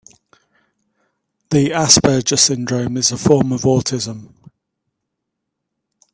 The Asperger syndrome is a form of autism.